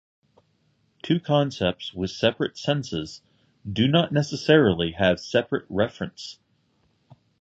Two concepts with separate senses do not necessarily have separate referents.